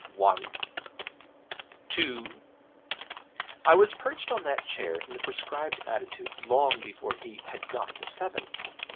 One two ' I was perched on that chair in the prescribed attitude long before he had got to seven!